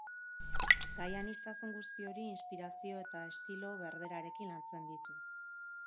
Gai aniztasun guzti hori inspirazio eta estilo berberarekin lantzen ditu.